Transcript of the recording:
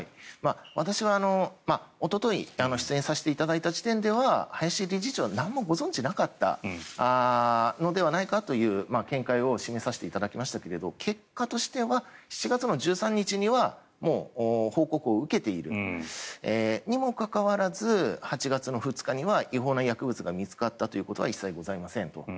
私は、おととい出演させていただいた時点では林理事長は何もご存じじゃなかったのではないかという見解を示させていただきましたが結果としては７月の１３日にはもう報告を受けているにもかかわらず８月の２日は、違法な薬物が見つかったということは一切ございませんと。